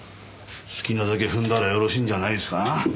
好きなだけ踏んだらよろしいんじゃないですか？